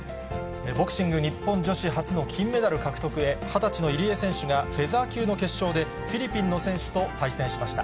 ボクシング日本女子初の金メダル獲得へ、２０歳の入江選手が、フェザー級の決勝でフィリピンの選手と対戦しました。